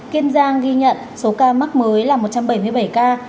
kiên giang ghi nhận số ca mắc mới là một trăm bảy mươi bảy ca